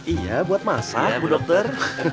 iya buat masak bu dokter